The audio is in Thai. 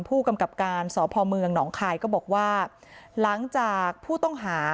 ผู้กำกับการสพเมืองหนองคายก็บอกว่าหลังจากผู้ต้องหา